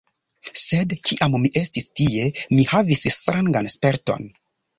Sed, kiam mi estis tie, mi havis strangan sperton: